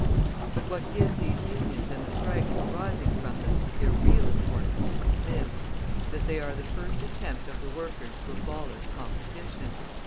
But what gives these Unions and the strikes arising from them their real importance is this, that they are the first attempt of the workers to abolish competition.